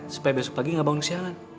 supaya besok pagi gak bangun kesiangan